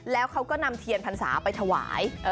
แล้วเขาก็นำเทียนพรรษาไปถวาย